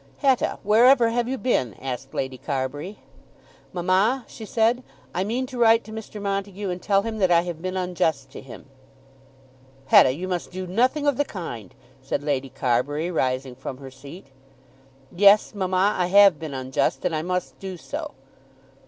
"Hetta, wherever have you been?" asked Lady Carbury. "Mamma," she said, "I mean to write to Mr. Montague and tell him that I have been unjust to him." "Hetta, you must do nothing of the kind," said Lady Carbury, rising from her seat. "Yes, mamma. I have been unjust, and I must do so."